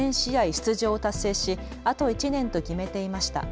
出場を達成しあと１年と決めていました。